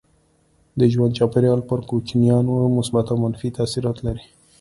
د ژوند چاپيریال پر کوچنیانو مثبت او منفي تاثير لري.